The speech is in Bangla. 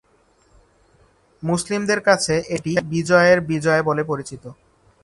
মুসলিমদের কাছে এটি "বিজয়ের বিজয়" বলে পরিচিত।